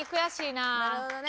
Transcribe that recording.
なるほどね。